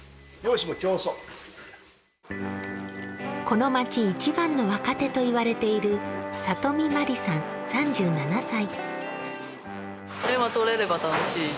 この町一番の若手といわれている里見茉里さん、３７歳。